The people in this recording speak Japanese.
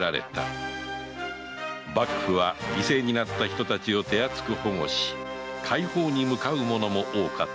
幕府は犠牲になった人たちを手厚く保護し快方に向かう者も多かった